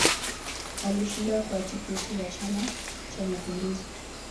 Alishinda kwa tiketi ya chama cha mapinduzi